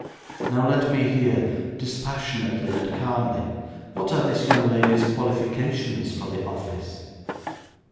Now let me hear, dispassionately and calmly, what are this young lady's qualifications for the office.